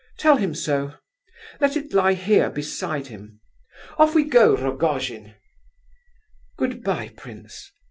Tell him so. Let it lie here beside him. Off we go, Rogojin! Goodbye, prince.